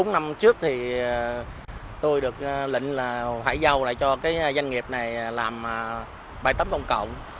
bốn năm trước thì tôi được lệnh là hải giao lại cho cái doanh nghiệp này làm bãi tắm công cộng